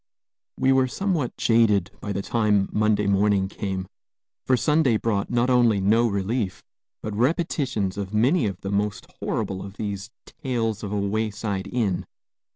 We were somewhat jaded by the time Monday morning came, for Sunday brought not only no relief, but repetitions of many of the most horrible of these "tales of a wayside inn."